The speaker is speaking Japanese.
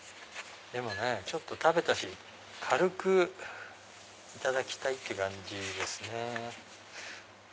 でもねちょっと食べたし軽くいただきたいって感じですね。